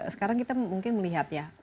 sekarang kita mungkin melihat